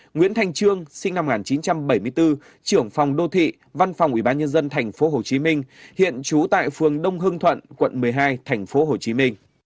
nguyễn thành trương sinh năm một nghìn chín trăm bảy mươi bốn trưởng phòng đô thị văn phòng ủy ban nhân dân tp hcm hiện trú tại phường đông hưng thuận quận một mươi hai tp hcm